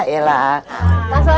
kalau rasakhdia kurang semua